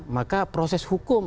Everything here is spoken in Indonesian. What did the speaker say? maka proses hukum